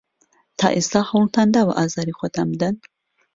تا ئێستا هەوڵتان داوە ئازاری خۆتان بدەن؟